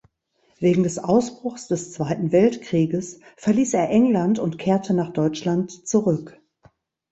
Wegen des Ausbruchs des Zweiten Weltkrieges verließ er England und kehrte nach Deutschland zurück.